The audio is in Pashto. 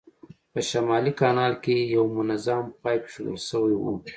په شمالي کانال کې یو منظم پایپ اېښودل شوی و.